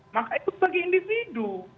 maka itu sebagai individu